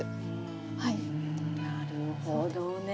なるほどね。